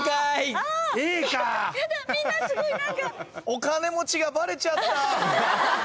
お金持ちがバレちゃった。